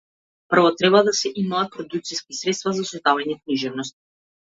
Прво треба да се имаат продукциски средства за создавање книжевност.